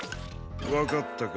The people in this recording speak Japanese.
わかったか？